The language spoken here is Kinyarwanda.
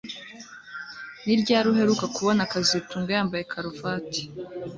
Ni ryari uheruka kubona kazitunga yambaye karuvati